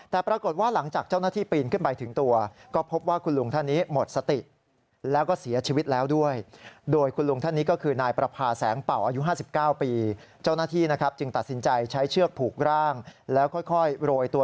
แต่ปรากฏว่าหลังจากเจ้าหน้าที่ปีนขึ้นไปถึงตัว